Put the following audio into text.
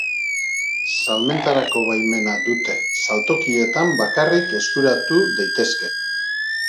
Salmentarako baimena duten saltokietan bakarrik eskuratu daitezke.